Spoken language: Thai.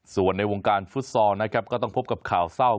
ส่วนในวงการฟุตซอลนะครับก็ต้องพบกับข่าวเศร้า